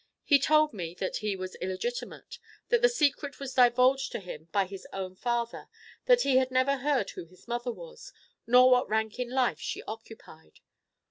He told me that he was illegitimate, that the secret was divulged to him by his own father, that he had never heard who his mother was, nor what rank in life she occupied.